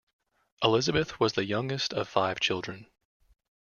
Elizabeth was the youngest of five children.